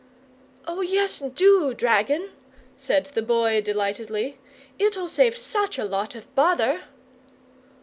"Oh, yes, DO, dragon," said the Boy, delightedly; "it'll save such a lot of bother!"